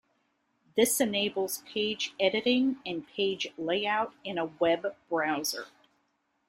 This enables page editing and page layout in a web browser.